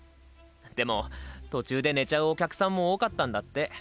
でも途中で寝ちゃうお客さんも多かったんだって。